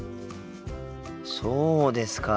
そうですか。